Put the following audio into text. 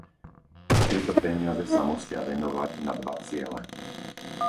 Tieto peniaze sa musia venovať na dva ciele.